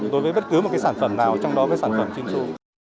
đối với bất cứ một cái sản phẩm nào trong đó với sản phẩm chinh thu